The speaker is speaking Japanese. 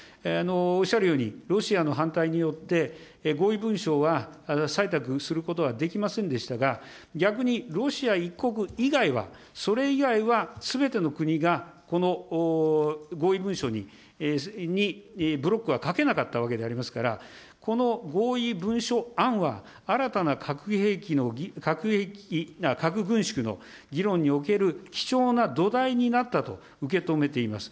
おっしゃるように、ロシアの反対によって合意文書は採択することはできませんでしたが、逆にロシア１国以外は、それ以外はすべての国がこの合意文書にブロックはかけなかったわけでありますから、この合意文書案は、新たな核兵器の、核軍縮の議論における貴重な土台になったと受け止めています。